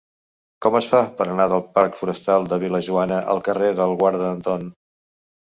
Com es fa per anar del parc Forestal de Vil·lajoana al carrer del Guarda Anton?